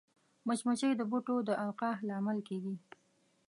مچمچۍ د بوټو د القاح لامل کېږي